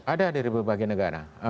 ada dari berbagai negara